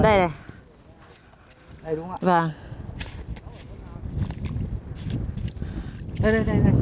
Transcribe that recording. đây đây đây đây đây